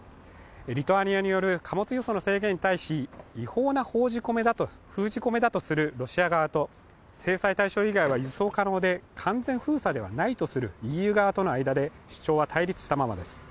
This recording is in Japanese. リトアニアによる貨物輸送の制限に対し違法な封じ込めだとするロシア側と制裁対象以外は輸送可能で完全封鎖ではないとするＥＵ側との間で主張は対立したままです。